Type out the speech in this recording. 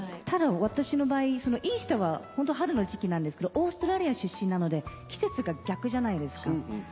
ただ私の場合イースターはホントは春の時期なんですけどオーストラリア出身なので季節が逆じゃないですか。